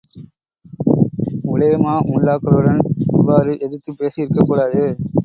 உலேமா முல்லாக்களுடன் இவ்வாறு எதிர்த்துப் பேசியிருக்கக் கூடாது.